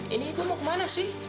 ini ibu mau kemana sih